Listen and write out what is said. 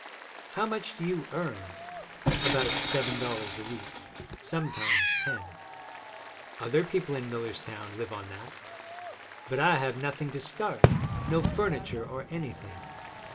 'How much do you earn?' 'About seven dollars a week. Sometimes ten.' 'Other people in Millerstown live on that.' 'But I have nothing to start, no furniture or anything.'